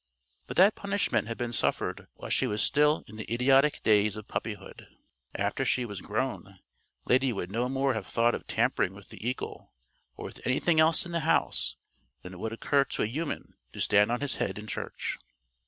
But that punishment had been suffered while she was still in the idiotic days of puppyhood. After she was grown, Lady would no more have thought of tampering with the eagle or with anything else in the house than it would occur to a human to stand on his head in church.